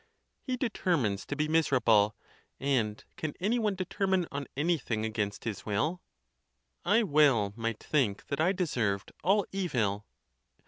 He determines to be miserable: and can any one deter mine on anything against his will? I well might think that I deserved all evil.